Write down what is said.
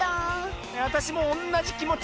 あたしもおんなじきもち。